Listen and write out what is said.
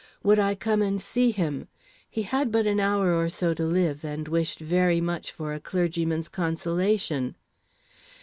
Would I come and see him? He had but an hour or so to live, and wished very much for a clergyman's consolation.